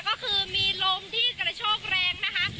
ก็คือมีลมที่กระโชกแรงนะคะ